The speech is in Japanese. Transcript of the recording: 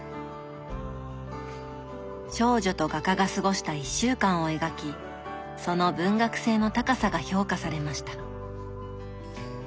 少女と画家が過ごした１週間を描きその文学性の高さが評価されました。